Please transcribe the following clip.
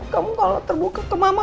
kamu kalau terbuka tuh mama